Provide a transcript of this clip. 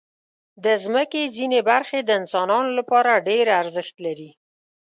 د مځکې ځینې برخې د انسانانو لپاره ډېر ارزښت لري.